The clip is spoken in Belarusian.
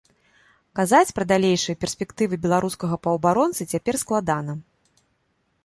Казаць пра далейшыя перспектывы беларускага паўабаронцы цяпер складана.